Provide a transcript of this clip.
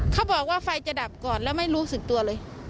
เขาบอกว่าไฟจะดับก่อนแล้วไม่รู้สึกตัวเลย